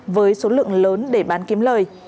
với số lượng lớn để bán kiếm lời